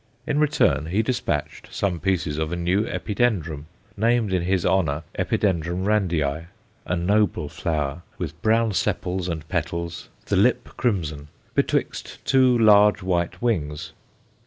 In return he despatched some pieces of a new Epidendrum, named in his honour E. Randii, a noble flower, with brown sepals and petals, the lip crimson, betwixt two large white wings.